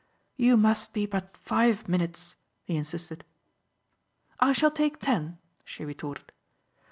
"You must be but five minutes," he insisted. "I shall take ten," she retorted.